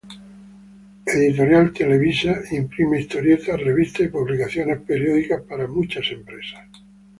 Editorial Televisa imprime historietas, revistas y publicaciones periódicas para muchas empresas.